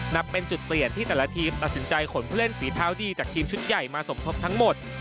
นับเป็นจุดเปลี่ยนที่แต่ละทีมตัดสินใจขนผู้เล่นฝีเท้าดีจากทีมชุดใหญ่มาสมทบทั้งหมด